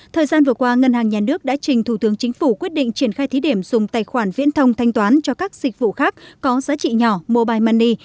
thời gian vừa qua ngân hàng nhà nước đã trình thủ tướng chính phủ quyết định triển khai thí điểm dùng tài khoản viễn thông thanh toán cho các dịch vụ khác có giá trị nhỏ mobile money